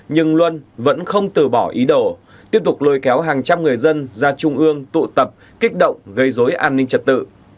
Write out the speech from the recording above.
nhưng luân vẫn không từ bỏ ý đồ tiếp tục lôi kéo hàng trăm người dân ra trung ương tụ tập kích động gây dối an ninh trật tự